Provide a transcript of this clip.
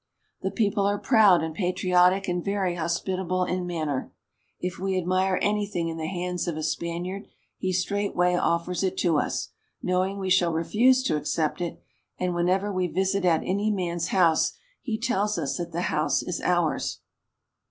The people are proud and patriotic and very hospitable in manner. If we admire anything in the hands of a Spaniard, he straightway offers it to us, knowing we shall refuse to accept it, and whenever we visit at any man's house he tells us that the house is ours.